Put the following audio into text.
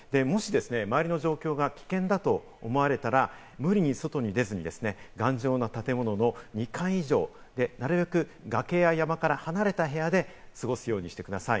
周りの状況が危険だと感じたら無理に外に出ずに、頑丈な建物の２階以上、なるべく崖や山から離れた部屋で過ごすようにしてください。